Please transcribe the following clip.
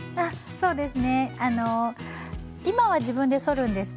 そうです。